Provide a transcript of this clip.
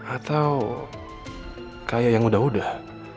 atau kayak yang udah udah